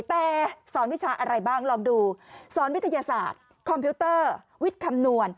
แต่สอนวิชาอะไรบ้างลองดูสอนวิทยาศาสตร์คอมพิวเตอร์วิทย์คำนวณ